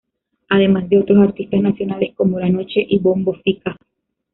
Además de otros artistas nacionales como La Noche y Bombo Fica.